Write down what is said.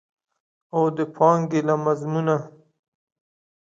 او د پانګې له مضمونه.